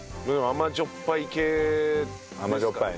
甘じょっぱいね。